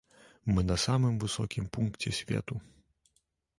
Мы на самым высокім пункце свету.